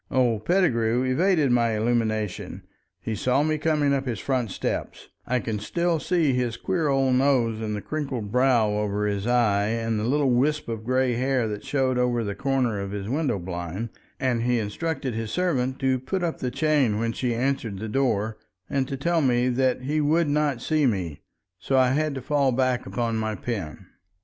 Old Pettigrew evaded my illumination; he saw me coming up his front steps—I can still see his queer old nose and the crinkled brow over his eye and the little wisp of gray hair that showed over the corner of his window blind—and he instructed his servant to put up the chain when she answered the door, and to tell me that he would not see me. So I had to fall back upon my pen.